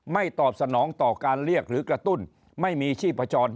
ตอบสนองต่อการเรียกหรือกระตุ้นไม่มีชีพจร